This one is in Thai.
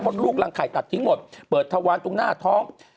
ลูกรังไข่ตัดทิ้งหมดเปิดทวารตรงหน้าท้อง